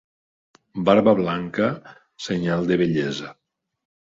Barba blanca, senyal de vellesa.